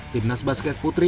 tim nas basket putri